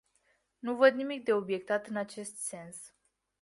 Nu văd nimic de obiectat în acest sens.